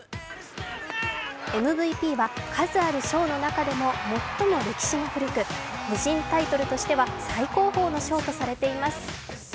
ＭＶＰは数ある賞の中でも歴史が古く、個人タイトルとしては最高峰の賞とされています。